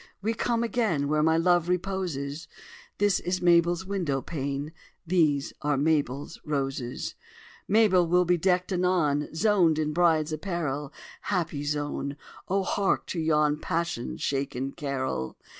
we come again Where my Love reposes: This is Mabel's window pane: These are Mabel's roses. ..... Mabel will be deck'd anon, Zoned in bride's apparel; Happy zone! Oh hark to yon Passion shaken carol!